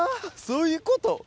そういうこと？